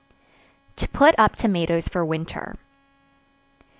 To put up Tomatoes for Winter.